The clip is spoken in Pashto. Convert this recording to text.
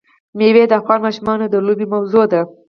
مېوې د افغان ماشومانو د لوبو موضوع ده.